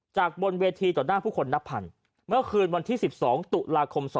บนเวทีต่อหน้าผู้คนนับพันเมื่อคืนวันที่๑๒ตุลาคม๒๕๖